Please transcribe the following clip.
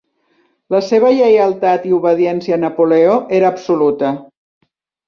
La seva lleialtat i obediència a Napoleó era absoluta.